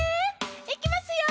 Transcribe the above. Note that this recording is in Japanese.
いきますよ。